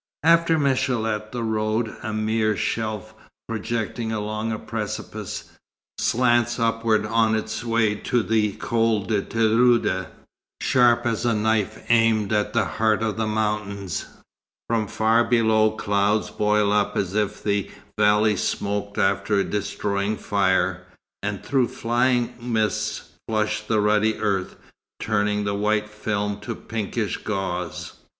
After Michélet the road, a mere shelf projecting along a precipice, slants upward on its way to the Col de Tirouda, sharp as a knife aimed at the heart of the mountains. From far below clouds boil up as if the valleys smoked after a destroying fire, and through flying mists flush the ruddy earth, turning the white film to pinkish gauze.